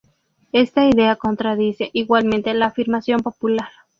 Esta idea contradice, igualmente, la afirmación popular.